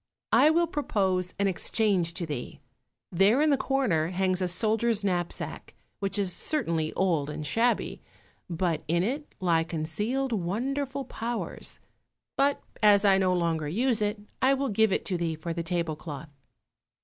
I will propose an exchange to thee; there in the corner hangs a soldier's knapsack, which is certainly old and shabby, but in it lie concealed wonderful powers; but, as I no longer use it, I will give it to thee for the table cloth."